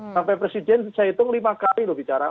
sampai presiden saya hitung lima kali loh bicara